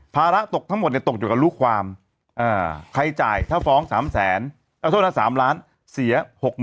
ภาระตกเต็มทั้งหมดจะตกอยู่กับลูกความใครจ่ายถ้าฟ้อง๓แสนตรงนั้น๓ล้านเท่าไหร่เสีย๖๐๐๐๐